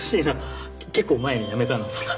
結構前にやめたんですけど。